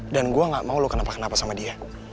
dan gue gak mau lo kenapa kenapa sama dia